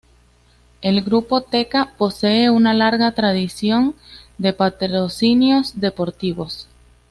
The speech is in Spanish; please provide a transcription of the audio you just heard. El Grupo Teka posee una larga tradición en patrocinios deportivos.